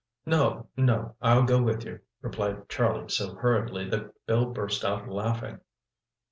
"No, no, I'll go with you," replied Charlie so hurriedly that Bill burst out laughing.